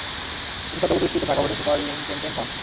তিনি সদ্য প্রতিষ্ঠিত ঢাকা বোর্ডের সুপারিন্টেনডেন্ট হন।